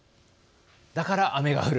だから雨が降る。